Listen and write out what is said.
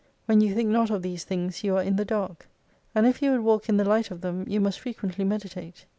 When you think not of these things you are in the dark. And if you would walk in the light of them, you must frequently meditate.